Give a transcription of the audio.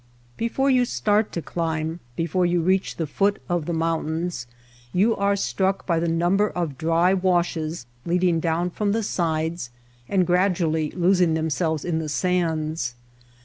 Before you start to climb, before you reach the foot of the mountains, you are struck by the number of dry washes leading down from the sides and gradually losing themselves in the sands.